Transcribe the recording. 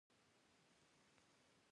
تراوسه مې په دې جګړه کې هېڅوک وژلی نه و.